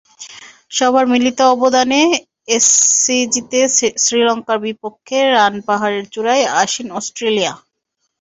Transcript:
সবার মিলিত অবদানে এসসিজিতে শ্রীলঙ্কার বিপক্ষে রান পাহাড়ের চূড়ায় আসীন অস্ট্রেলিয়া।